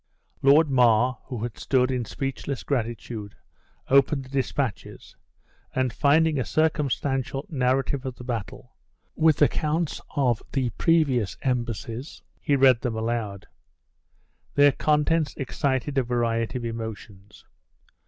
Lord Mar, who had stood in speechless gratitude, opened the dispatches; and finding a circumstantial narrative of the battle, with accounts of the previous embassies, he read them aloud. Their contents excited a variety of emotions.